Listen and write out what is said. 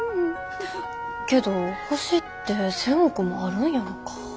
けど星って１，０００億もあるんやろか。